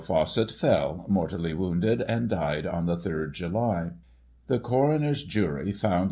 Fawcett fell, mortally wounded, and died on the 3rd July. The Coroner's jury found Lt.